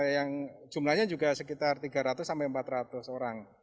yang jumlahnya juga sekitar tiga ratus sampai empat ratus orang